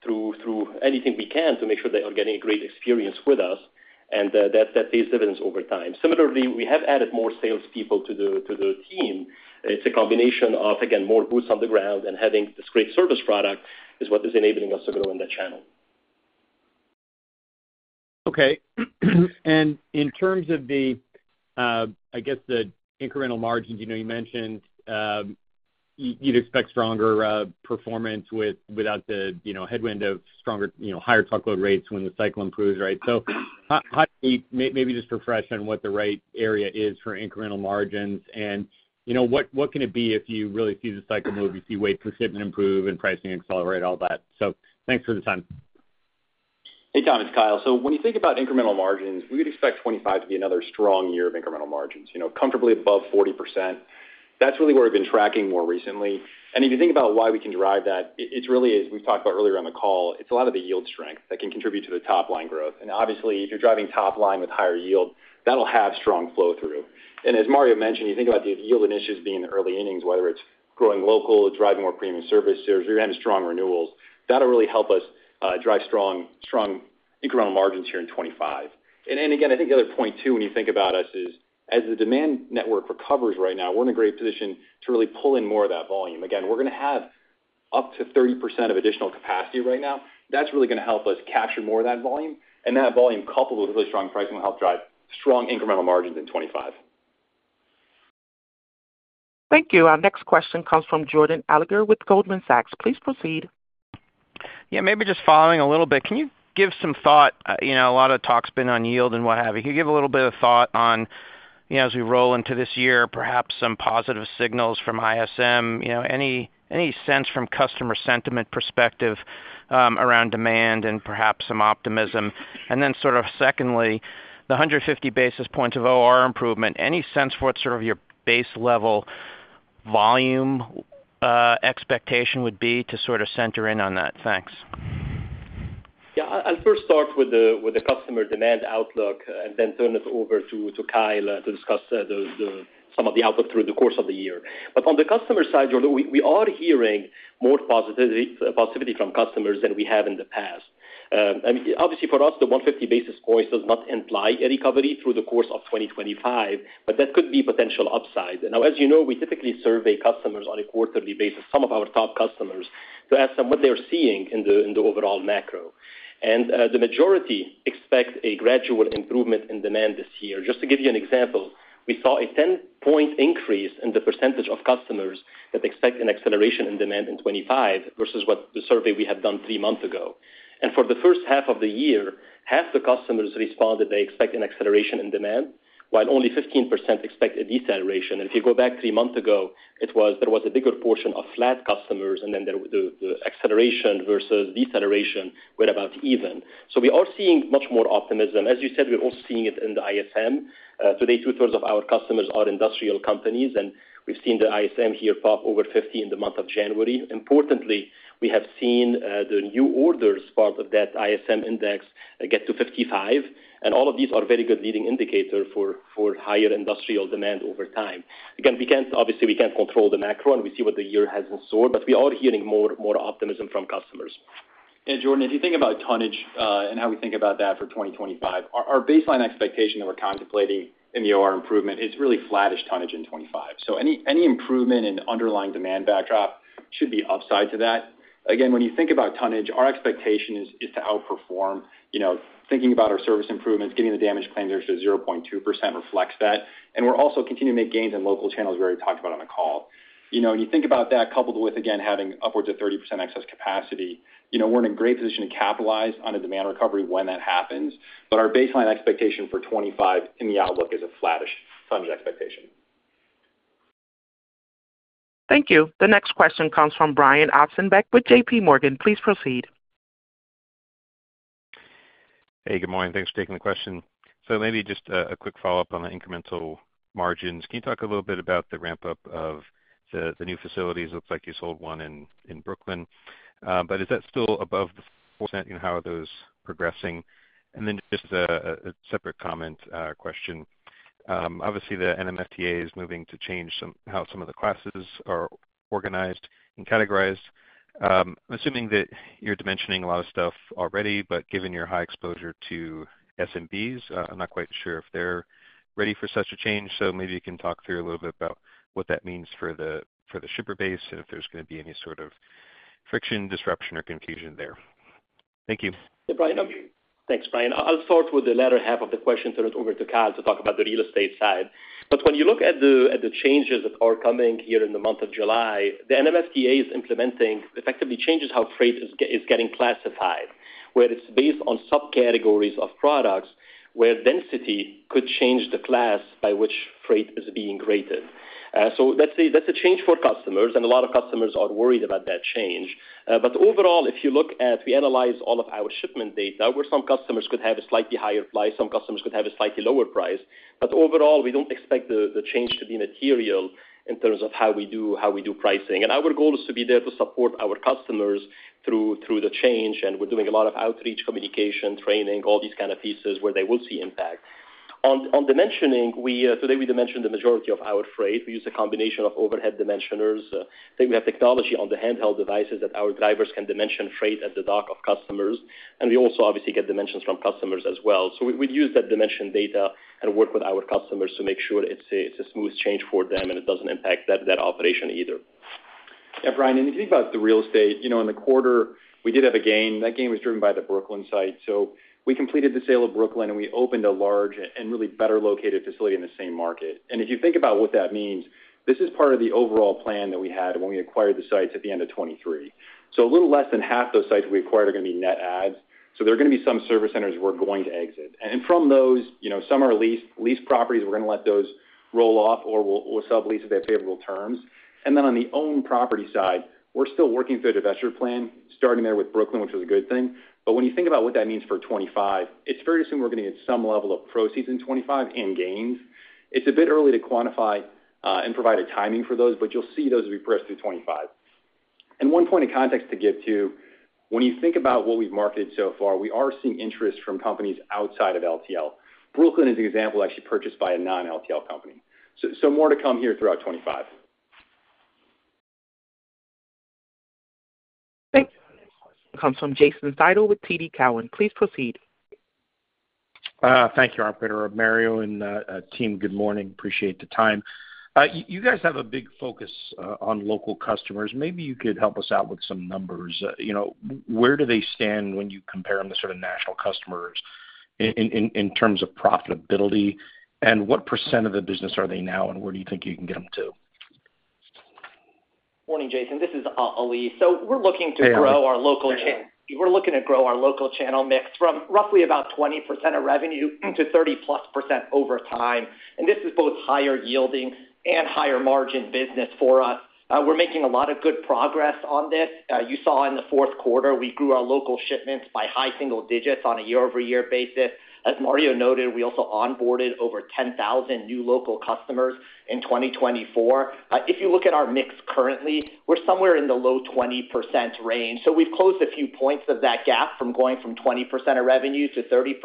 through anything we can to make sure they are getting a great experience with us, and that pays dividends over time. Similarly, we have added more salespeople to the team. It's a combination of, again, more boots on the ground and having this great service product is what is enabling us to grow in that channel. Okay. And in terms of, I guess, the incremental margins, you mentioned you'd expect stronger performance without the headwind of higher truckload rates when the cycle improves, right? So maybe just refresh on what the right area is for incremental margins and what can it be if you really see the cycle move, you see weight per shipment improve and pricing accelerate, all that. So thanks for the time. Hey, Tom, it's Kyle. So when you think about incremental margins, we would expect 2025 to be another strong year of incremental margins, comfortably above 40%. That's really what we've been tracking more recently. And if you think about why we can derive that, it really is. We've talked about earlier on the call. It's a lot of the yield strength that can contribute to the top-line growth. And obviously, if you're driving top-line with higher yield, that'll have strong flow-through. And as Mario mentioned, you think about these yield initiatives being in the early innings, whether it's growing local, driving more premium services, or you're having strong renewals, that'll really help us drive strong incremental margins here in 2025. And again, I think the other point too, when you think about us, is as the demand network recovers right now, we're in a great position to really pull in more of that volume. Again, we're going to have up to 30% of additional capacity right now. That's really going to help us capture more of that volume. And that volume, coupled with really strong pricing, will help drive strong incremental margins in 2025. Thank you. Our next question comes from Jordan Alliger with Goldman Sachs. Please proceed. Yeah. Maybe just following up a little bit, can you give some thought? A lot of talk's been on yield and what have you. Can you give a little bit of thought on, as we roll into this year, perhaps some positive signals from ISM? Any sense from customer sentiment perspective around demand and perhaps some optimism? And then sort of secondly, the 150 basis points of OR improvement, any sense for what sort of your base-level volume expectation would be to sort of center in on that? Thanks. Yeah. I'll first start with the customer demand outlook and then turn it over to Kyle to discuss some of the outlook through the course of the year. But on the customer side, Jordan, we are hearing more positivity from customers than we have in the past. Obviously, for us, the 150 basis points does not imply a recovery through the course of 2025, but that could be potential upside. Now, as you know, we typically survey customers on a quarterly basis, some of our top customers, to ask them what they're seeing in the overall macro. And the majority expect a gradual improvement in demand this year. Just to give you an example, we saw a 10-point increase in the percentage of customers that expect an acceleration in demand in 2025 versus what the survey we had done three months ago. And for the first half of the year, half the customers responded they expect an acceleration in demand, while only 15% expect a deceleration. And if you go back three months ago, there was a bigger portion of flat customers, and then the acceleration versus deceleration were about even. So we are seeing much more optimism. As you said, we're also seeing it in the ISM. Today, two-thirds of our customers are industrial companies, and we've seen the ISM here pop over 50 in the month of January. Importantly, we have seen the new orders part of that ISM index get to 55. And all of these are very good leading indicators for higher industrial demand over time. Again, obviously, we can't control the macro, and we see what the year has in store, but we are hearing more optimism from customers. Yeah, Jordan, if you think about tonnage and how we think about that for 2025, our baseline expectation that we're contemplating in the OR improvement is really flattish tonnage in 2025. So any improvement in underlying demand backdrop should be upside to that. Again, when you think about tonnage, our expectation is to outperform. Thinking about our service improvements, getting the damage claims to 0.2% reflects that. And we're also continuing to make gains in local channels, where we talked about on the call. When you think about that, coupled with, again, having upwards of 30% excess capacity, we're in a great position to capitalize on a demand recovery when that happens. But our baseline expectation for 2025 in the outlook is a flattish tonnage expectation. Thank you. The next question comes from Brian Ossenbeck with J.P. Morgan. Please proceed. Hey, good morning. Thanks for taking the question. So maybe just a quick follow-up on the incremental margins. Can you talk a little bit about the ramp-up of the new facilities? It looks like you sold one in Brooklyn. But is that still above the? How are those progressing? And then just a separate comment question. Obviously, the NMFTA is moving to change how some of the classes are organized and categorized. I'm assuming that you're mentioning a lot of stuff already, but given your high exposure to SMBs, I'm not quite sure if they're ready for such a change. So maybe you can talk through a little bit about what that means for the shipper base and if there's going to be any sort of friction, disruption, or confusion there. Thank you. Yeah, Brian. Thanks, Brian. I'll start with the latter half of the question, turn it over to Kyle to talk about the real estate side. But when you look at the changes that are coming here in the month of July, the NMFTA is implementing effectively changes how freight is getting classified, where it's based on subcategories of products where density could change the class by which freight is being graded. So that's a change for customers, and a lot of customers are worried about that change. But overall, if you look at we analyze all of our shipment data where some customers could have a slightly higher price, some customers could have a slightly lower price. But overall, we don't expect the change to be material in terms of how we do pricing, and our goal is to be there to support our customers through the change. We're doing a lot of outreach, communication, training, all these kinds of pieces where they will see impact. On dimensioning, today we dimensioned the majority of our freight. We use a combination of overhead dimensioners. I think we have technology on the handheld devices that our drivers can dimension freight at the dock of customers. We also obviously get dimensions from customers as well. We'd use that dimension data and work with our customers to make sure it's a smooth change for them and it doesn't impact that operation either. Yeah, Brian. And if you think about the real estate, in the quarter, we did have a gain. That gain was driven by the Brooklyn site. So we completed the sale of Brooklyn, and we opened a large and really better located facility in the same market. And if you think about what that means, this is part of the overall plan that we had when we acquired the sites at the end of 2023. So a little less than half those sites we acquired are going to be net adds. So there are going to be some service centers we're going to exit. And from those, some are leased properties. We're going to let those roll off or we'll sublease if they have favorable terms. And then on the owned property side, we're still working through a divestiture plan, starting there with Brooklyn, which was a good thing. But when you think about what that means for 2025, it's fair to assume we're going to get some level of proceeds in 2025 and gains. It's a bit early to quantify and provide a timing for those, but you'll see those as we press through 2025. And one point of context to give to, when you think about what we've marketed so far, we are seeing interest from companies outside of LTL. Brooklyn, as an example, actually purchased by a non-LTL company. So more to come here throughout 2025. Thanks. Comes from Jason Seidl with TD Cowen. Please proceed. Thank you, Operator Mario and team. Good morning. Appreciate the time. You guys have a big focus on local customers. Maybe you could help us out with some numbers. Where do they stand when you compare them to sort of national customers in terms of profitability? And what % of the business are they now, and where do you think you can get them to? Morning, Jason. This is Ali. So we're looking to grow our local channel. We're looking to grow our local channel mix from roughly about 20% of revenue to 30-plus% over time. And this is both higher yielding and higher margin business for us. We're making a lot of good progress on this. You saw in the fourth quarter, we grew our local shipments by high single digits on a year-over-year basis. As Mario noted, we also onboarded over 10,000 new local customers in 2024. If you look at our mix currently, we're somewhere in the low 20% range. So we've closed a few points of that gap from going from 20% of revenue to 30%.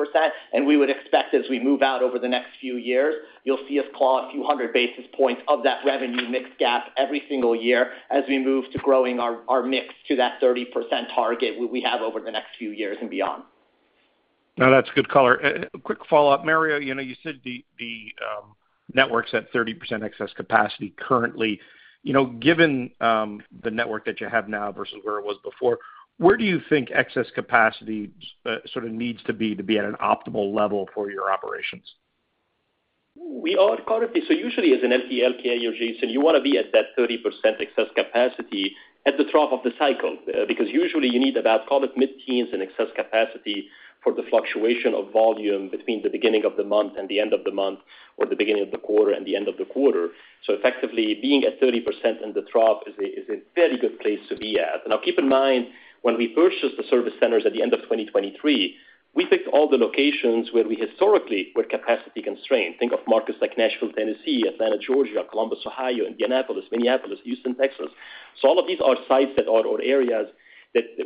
We would expect as we move out over the next few years, you'll see us claw a few hundred basis points of that revenue mix gap every single year as we move to growing our mix to that 30% target we have over the next few years and beyond. No, that's good color. Quick follow-up. Mario, you said the network's at 30% excess capacity currently. Given the network that you have now versus where it was before, where do you think excess capacity sort of needs to be to be at an optimal level for your operations? So usually, as an LTL player, Jason, you want to be at that 30% excess capacity at the trough of the cycle because usually you need about mid-teens in excess capacity for the fluctuation of volume between the beginning of the month and the end of the month or the beginning of the quarter and the end of the quarter. So effectively, being at 30% in the trough is a very good place to be at. Now, keep in mind, when we purchased the service centers at the end of 2023, we picked all the locations where we historically were capacity constrained. Think of markets like Nashville, Tennessee, Atlanta, Georgia, Columbus, Ohio, Indianapolis, Minneapolis, Houston, Texas. So all of these are sites or areas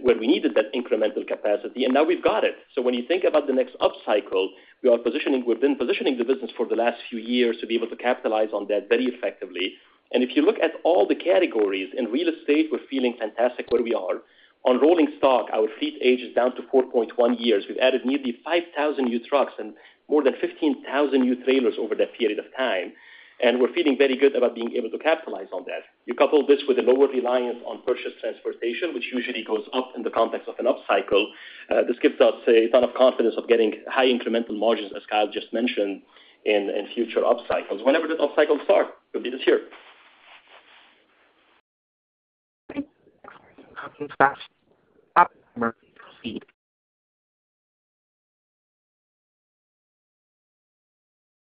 where we needed that incremental capacity. And now we've got it. When you think about the next upcycle, we are positioning the business for the last few years to be able to capitalize on that very effectively. And if you look at all the categories in real estate, we're feeling fantastic where we are. On rolling stock, our fleet age is down to 4.1 years. We've added nearly 5,000 new trucks and more than 15,000 new trailers over that period of time. And we're feeling very good about being able to capitalize on that. You couple this with a lower reliance on purchased transportation, which usually goes up in the context of an upcycle, this gives us a ton of confidence of getting high incremental margins, as Kyle just mentioned, in future upcycles. Whenever does upcycles start? It'll be this year. Thanks.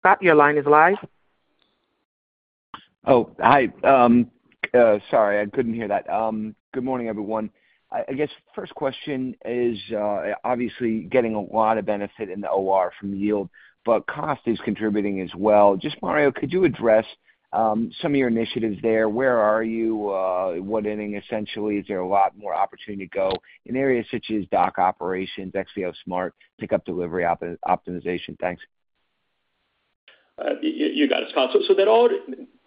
Scott, your line is live. Oh, hi. Sorry, I couldn't hear that. Good morning, everyone. I guess first question is obviously getting a lot of benefit in the OR from yield, but cost is contributing as well. Just, Mario, could you address some of your initiatives there? Where are you? What inning, essentially? Is there a lot more opportunity to go in areas such as dock operations, XPO Smart, pickup delivery optimization? Thanks. You got it, Scott. So there are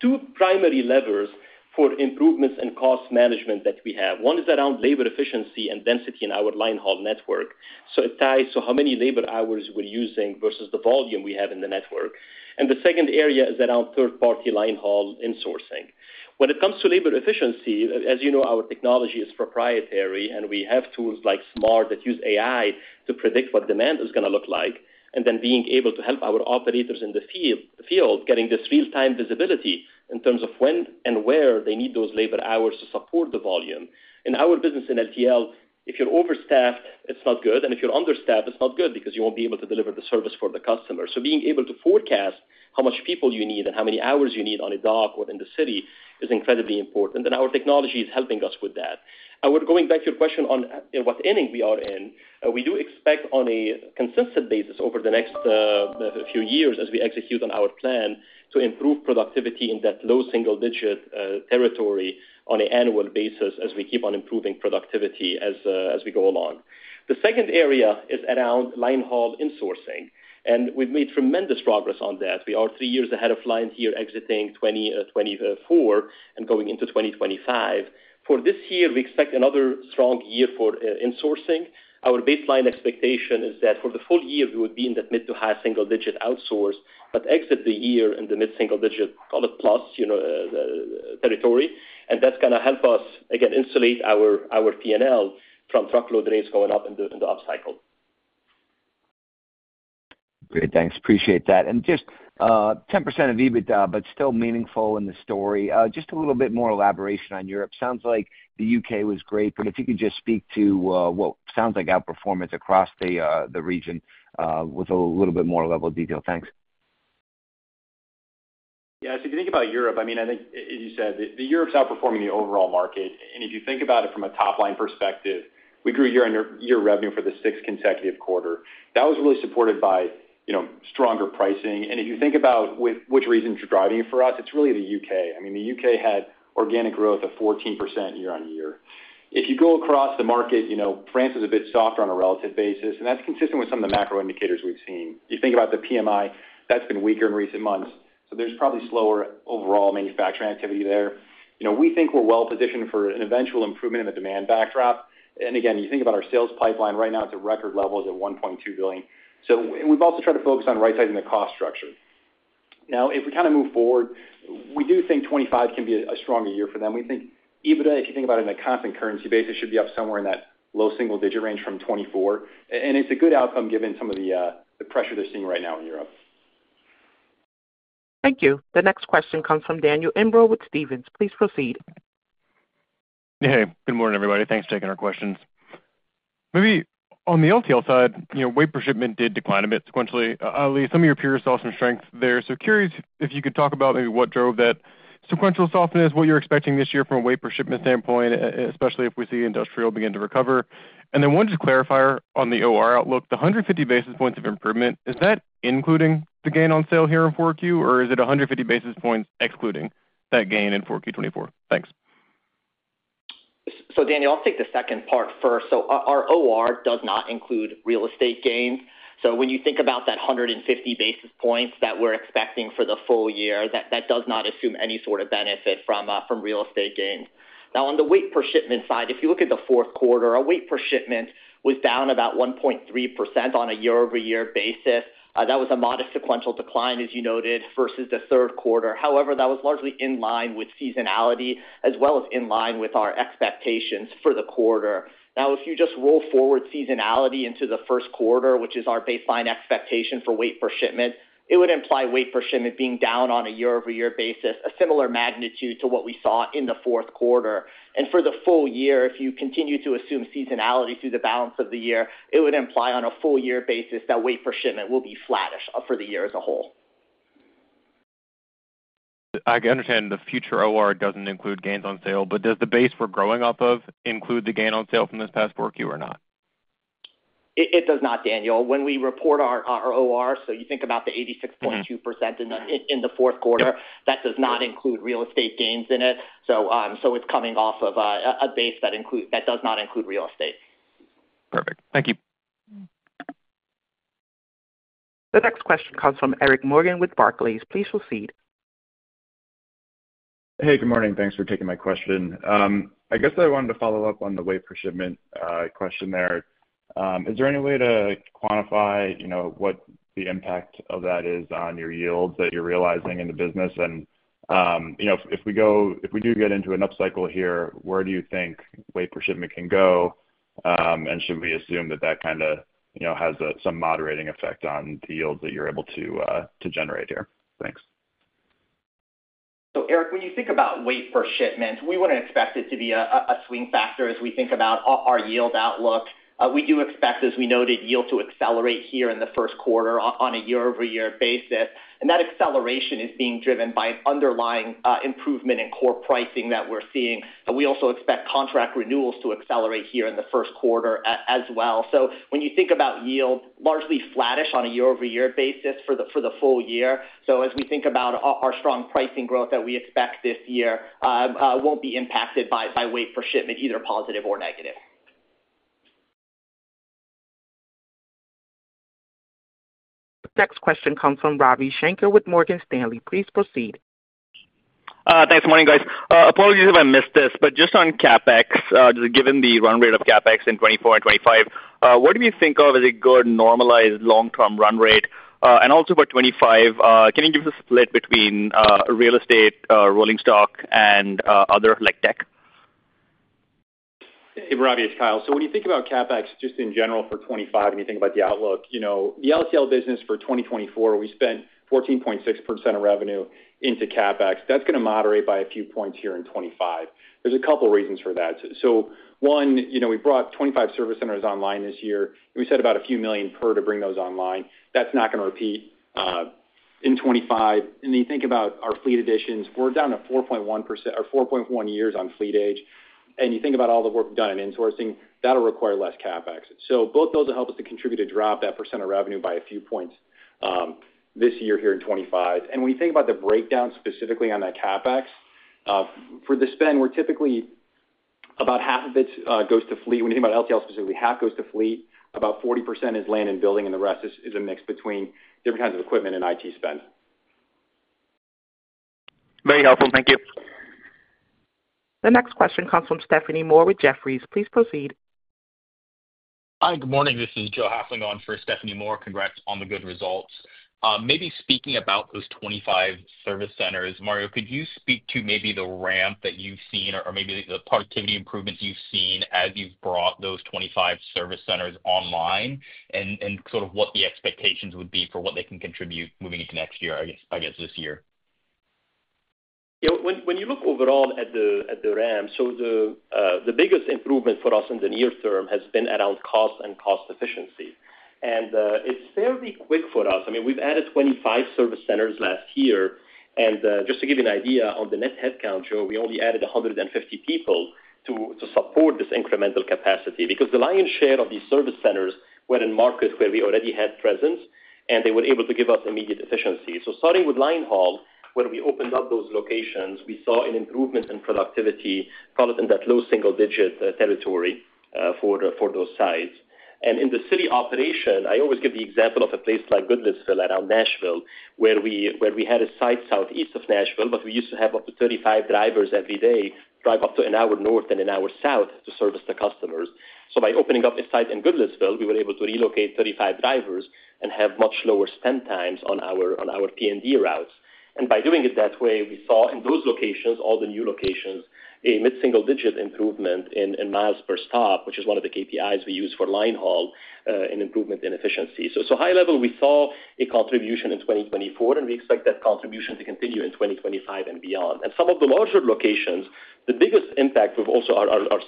two primary levers for improvements in cost management that we have. One is around labor efficiency and density in our linehaul network. So it ties to how many labor hours we're using versus the volume we have in the network. And the second area is around third-party linehaul insourcing. When it comes to labor efficiency, as you know, our technology is proprietary, and wse have tools like Smart that use AI to predict what demand is going to look like, and then being able to help our operators in the field getting this real-time visibility in terms of when and where they need those labor hours to support the volume. In our business in LTL, if you're overstaffed, it's not good. And if you're understaffed, it's not good because you won't be able to deliver the service for the customer. Being able to forecast how much people you need and how many hours you need on a dock or in the city is incredibly important. Our technology is helping us with that. Going back to your question on what inning we are in, we do expect on a consistent basis over the next few years as we execute on our plan to improve productivity in that low single-digit territory on an annual basis as we keep on improving productivity as we go along. The second area is around linehaul insourcing. We've made tremendous progress on that. We are three years ahead of plan here exiting 2024 and going into 2025. For this year, we expect another strong year for insourcing. Our baseline expectation is that for the full year, we would be in that mid to high single-digit outsource, but exit the year in the mid single-digit, call it plus, territory, and that's going to help us, again, insulate our P&L from truckload rates going up in the upcycle. Great. Thanks. Appreciate that. And just 10% of EBITDA, but still meaningful in the story. Just a little bit more elaboration on Europe. Sounds like the U.K. was great, but if you could just speak to what sounds like outperformance across the region with a little bit more level of detail? Thanks. Yeah. So if you think about Europe, I mean, I think, as you said, Europe's outperforming the overall market. And if you think about it from a top-line perspective, we grew year-on-year revenue for the sixth consecutive quarter. That was really supported by stronger pricing. And if you think about which regions are driving it for us, it's really the U.K. I mean, the U.K. had organic growth of 14% year-on-year. If you go across the market, France is a bit softer on a relative basis, and that's consistent with some of the macro indicators we've seen. You think about the PMI, that's been weaker in recent months. So there's probably slower overall manufacturing activity there. We think we're well-positioned for an eventual improvement in the demand backdrop. And again, you think about our sales pipeline. Right now, it's at record levels at $1.2 billion. So we've also tried to focus on right-sizing the cost structure. Now, if we kind of move forward, we do think 2025 can be a stronger year for them. We think EBITDA, if you think about it on a constant currency basis, should be up somewhere in that low single-digit range from 2024. And it's a good outcome given some of the pressure they're seeing right now in Europe. Thank you. The next question comes from Daniel Imbro with Stephens. Please proceed. Hey. Good morning, everybody. Thanks for taking our questions. Maybe on the LTL side, freight shipment did decline a bit sequentially. Ali, some of your peers saw some strength there. So curious if you could talk about maybe what drove that sequential softness, what you're expecting this year from a freight shipment standpoint, especially if we see industrial begin to recover. And then one just clarifier on the OR outlook, the 150 basis points of improvement, is that including the gain on sale here in 4Q, or is it 150 basis points excluding that gain in 4Q24? Thanks. Daniel, I'll take the second part first. Our OR does not include real estate gains. When you think about that 150 basis points that we're expecting for the full year, that does not assume any sort of benefit from real estate gains. Now, on the freight shipment side, if you look at the fourth quarter, our freight shipment was down about 1.3% on a year-over-year basis. That was a modest sequential decline, as you noted, versus the third quarter. However, that was largely in line with seasonality as well as in line with our expectations for the quarter. Now, if you just roll forward seasonality into the first quarter, which is our baseline expectation for freight shipment, it would imply freight shipment being down on a year-over-year basis, a similar magnitude to what we saw in the fourth quarter. For the full year, if you continue to assume seasonality through the balance of the year, it would imply on a full-year basis that weight per shipment will be flattish for the year as a whole. I understand the future OR doesn't include gains on sale, but does the base we're growing off of include the gain on sale from this past 4Q or not? It does not, Daniel. When we report our OR, so you think about the 86.2% in the fourth quarter, that does not include real estate gains in it. So it's coming off of a base that does not include real estate. Perfect. Thank you. The next question comes from Eric Morgan with Barclays. Please proceed. Hey, good morning. Thanks for taking my question. I guess I wanted to follow up on the weight per shipment question there. Is there any way to quantify what the impact of that is on your yields that you're realizing in the business? And if we do get into an upcycle here, where do you think weight per shipment can go? And should we assume that that kind of has some moderating effect on the yields that you're able to generate here? Thanks. Eric, when you think about weight per shipment, we wouldn't expect it to be a swing factor as we think about our yield outlook. We do expect, as we noted, yield to accelerate here in the first quarter on a year-over-year basis. That acceleration is being driven by an underlying improvement in core pricing that we're seeing. We also expect contract renewals to accelerate here in the first quarter as well. When you think about yield, largely flattish on a year-over-year basis for the full year. As we think about our strong pricing growth that we expect this year, it won't be impacted by weight per shipment, either positive or negative. The next question comes from Ravi Shanker with Morgan Stanley. Please proceed. Thanks. Morning, guys. Apologies if I missed this, but just on CapEx, given the run rate of CapEx in 2024 and 2025, what do we think of as a good normalized long-term run rate? And also for 2025, can you give us a split between real estate, rolling stock, and other like tech? Hey, Ravi. It's Kyle. So when you think about CapEx just in general for 2025, and you think about the outlook, the LTL business for 2024, we spent 14.6% of revenue into CapEx. That's going to moderate by a few points here in 2025. There's a couple of reasons for that. So one, we brought 25 service centers online this year. We spent about a few million per to bring those online. That's not going to repeat in 2025. And then you think about our fleet additions, we're down to 4.1 years on fleet age. And you think about all the work we've done in insourcing, that'll require less CapEx. So both those will help us to contribute to drop that % of revenue by a few points this year here in 2025. And when you think about the breakdown specifically on that CapEx, for the spend, we're typically about half of it goes to fleet. When you think about LTL specifically, half goes to fleet. About 40% is land and building, and the rest is a mix between different kinds of equipment and IT spend. Very helpful. Thank you. The next question comes from Stephanie Moore with Jefferies. Please proceed. Hi, good morning. This is Joe Hafling on for Stephanie Moore. Congrats on the good results. Maybe speaking about those 25 service centers, Mario, could you speak to maybe the ramp that you've seen or maybe the productivity improvements you've seen as you've brought those 25 service centers online and sort of what the expectations would be for what they can contribute moving into next year, I guess this year? Yeah. When you look overall at the ramp, so the biggest improvement for us in the near term has been around cost and cost efficiency. And it's fairly quick for us. I mean, we've added 25 service centers last year. And just to give you an idea, on the net headcount, Joe, we only added 150 people to support this incremental capacity because the lion's share of these service centers were in markets where we already had presence, and they were able to give us immediate efficiency. So starting with linehaul, when we opened up those locations, we saw an improvement in productivity, call it in that low single-digit territory for those sites. In the city operation, I always give the example of a place like Goodlettsville around Nashville, where we had a site southeast of Nashville, but we used to have up to 35 drivers every day drive up to an hour north and an hour south to service the customers. So by opening up a site in Goodlettsville, we were able to relocate 35 drivers and have much lower spent times on our P&D routes. And by doing it that way, we saw in those locations, all the new locations, a mid-single-digit improvement in miles per stop, which is one of the KPIs we use for linehaul in improvement in efficiency. So high level, we saw a contribution in 2024, and we expect that contribution to continue in 2025 and beyond. Some of the larger locations, the biggest impact we're also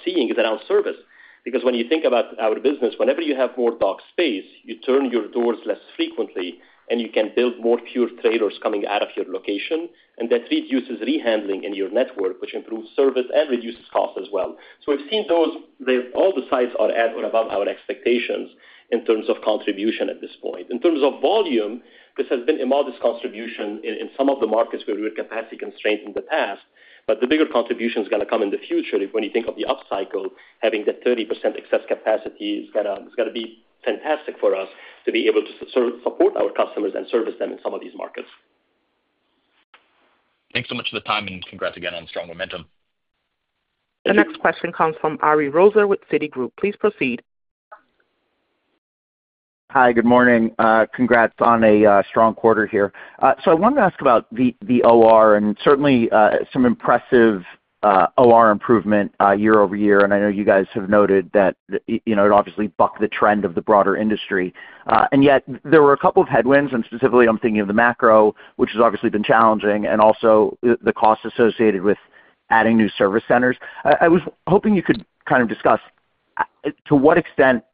seeing is around service because when you think about our business, whenever you have more dock space, you turn your doors less frequently, and you can build more, fewer trailers coming out of your location. That reduces rehandling in your network, which improves service and reduces cost as well. We've seen those. All the sites are at or above our expectations in terms of contribution at this point. In terms of volume, this has been a modest contribution in some of the markets where we were capacity constrained in the past, but the bigger contribution is going to come in the future. When you think of the upcycle, having that 30% excess capacity is going to be fantastic for us to be able to support our customers and service them in some of these markets. Thanks so much for the time, and congrats again on strong momentum. The next question comes from Ari Rosa with Citigroup. Please proceed. Hi, good morning. Congrats on a strong quarter here. I wanted to ask about the OR and certainly some impressive OR improvement year-over-year. I know you guys have noted that it obviously bucked the trend of the broader industry. Yet, there were a couple of headwinds, and specifically, I'm thinking of the macro, which has obviously been challenging, and also the cost associated with adding new service centers. I was hoping you could kind of discuss to what extent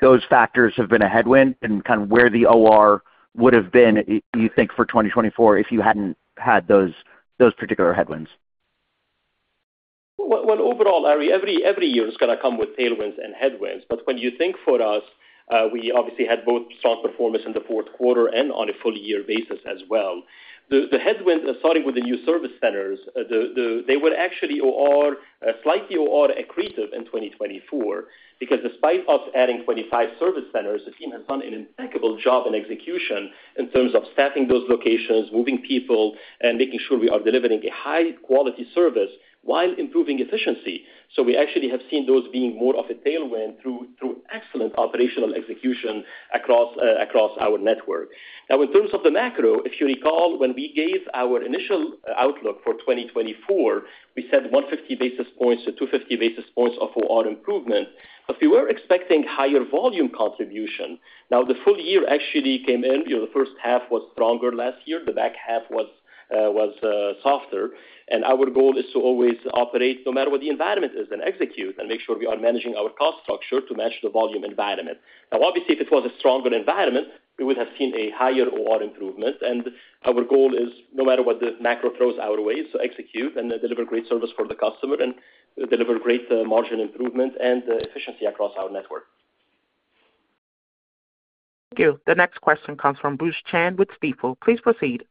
those factors have been a headwind and kind of where the OR would have been, you think, for 2024 if you hadn't had those particular headwinds. Overall, Ari, every year is going to come with tailwinds and headwinds. But when you think for us, we obviously had both strong performance in the fourth quarter and on a full-year basis as well. The headwind, starting with the new service centers, they were actually slightly OR accretive in 2024 because despite us adding 25 service centers, the team has done an impeccable job in execution in terms of staffing those locations, moving people, and making sure we are delivering a high-quality service while improving efficiency. So we actually have seen those being more of a tailwind through excellent operational execution across our network. Now, in terms of the macro, if you recall, when we gave our initial outlook for 2024, we said 150-250 basis points of OR improvement. But we were expecting higher volume contribution. Now, the full year actually came in. The first half was stronger last year. The back half was softer. And our goal is to always operate no matter what the environment is and execute and make sure we are managing our cost structure to match the volume environment. Now, obviously, if it was a stronger environment, we would have seen a higher OR improvement. And our goal is, no matter what the macro throws our way, is to execute and deliver great service for the customer and deliver great margin improvement and efficiency across our network. Thank you. The next question comes from Bruce Chan with Stifel. Please proceed.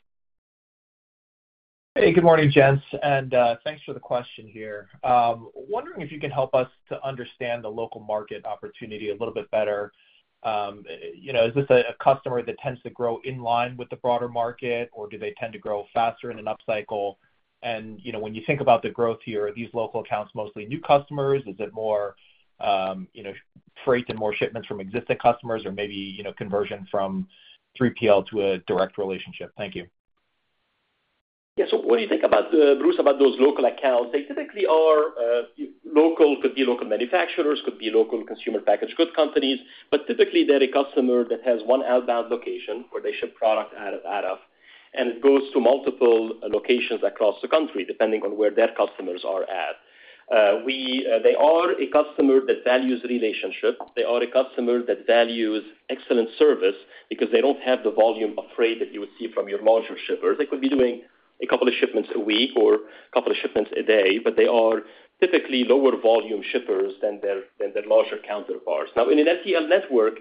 Hey, good morning, Chan. And thanks for the question here. Wondering if you can help us to understand the local market opportunity a little bit better. Is this a customer that tends to grow in line with the broader market, or do they tend to grow faster in an upcycle? And when you think about the growth here, are these local accounts mostly new customers? Is it more freight and more shipments from existing customers or maybe conversion from 3PL to a direct relationship? Thank you. Yeah. So what do you think about, Bruce, about those local accounts. They typically are local, could be local manufacturers, could be local consumer packaged goods companies. But typically, they're a customer that has one outbound location where they ship product out of, and it goes to multiple locations across the country depending on where their customers are at. They are a customer that values relationships. They are a customer that values excellent service because they don't have the volume of freight that you would see from your larger shippers. They could be doing a couple of shipments a week or a couple of shipments a day, but they are typically lower volume shippers than their larger counterparts. Now, in an LTL network,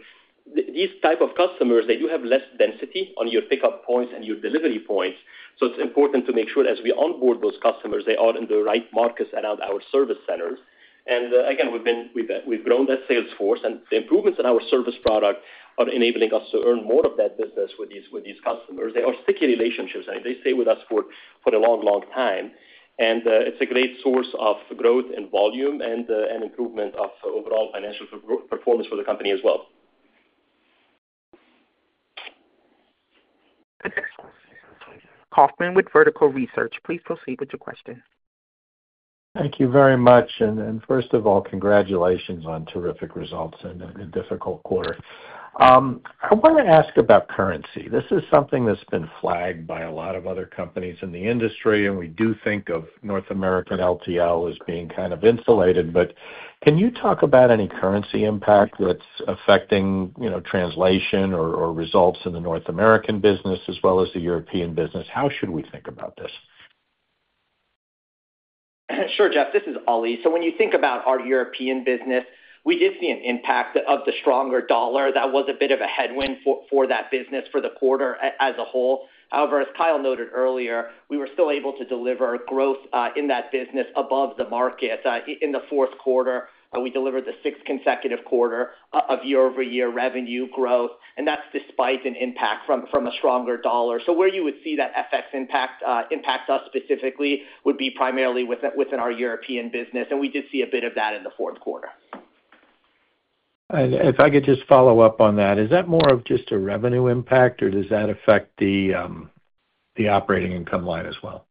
these types of customers, they do have less density on your pickup points and your delivery points. It's important to make sure as we onboard those customers, they are in the right markets around our service centers. Again, we've grown that sales force. The improvements in our service product are enabling us to earn more of that business with these customers. They are sticky relationships. They stay with us for a long, long time. It's a great source of growth and volume and improvement of overall financial performance for the company as well. Kauffman with Vertical Research Partners. Please proceed with your question. Thank you very much, and first of all, congratulations on terrific results in a difficult quarter. I want to ask about currency. This is something that's been flagged by a lot of other companies in the industry, and we do think of North American LTL as being kind of insulated. But can you talk about any currency impact that's affecting translation or results in the North American business as well as the European business? How should we think about this? Sure, Jeff. This is Ali. So when you think about our European business, we did see an impact of the stronger dollar. That was a bit of a headwind for that business for the quarter as a whole. However, as Kyle noted earlier, we were still able to deliver growth in that business above the market. In the fourth quarter, we delivered the sixth consecutive quarter of year-over-year revenue growth. And that's despite an impact from a stronger dollar. So where you would see that FX impact us specifically would be primarily within our European business. And we did see a bit of that in the fourth quarter. If I could just follow up on that, is that more of just a revenue impact, or does that affect the operating income line as well?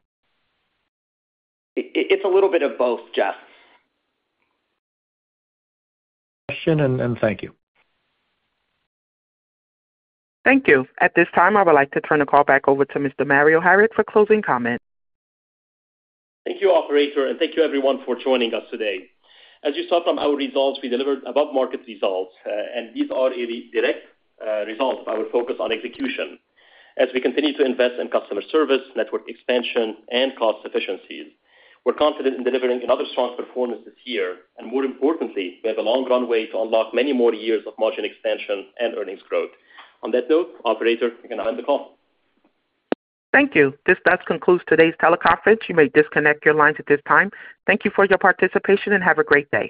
It's a little bit of both, Jeff. Question and thank you. Thank you. At this time, I would like to turn the call back over to Mr. Mario Harik for closing comment. Thank you, Operator, and thank you, everyone, for joining us today. As you saw from our results, we delivered above-market results. And these are a direct result of our focus on execution. As we continue to invest in customer service, network expansion, and cost efficiencies, we're confident in delivering another strong performance this year. And more importantly, we have a long runway to unlock many more years of margin expansion and earnings growth. On that note, Operator, you can hand the call. Thank you. This does conclude today's teleconference. You may disconnect your lines at this time. Thank you for your participation and have a great day.